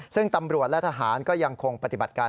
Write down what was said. ซึ่งตำรวจและทหารก็ยังคงปฏิบัติการ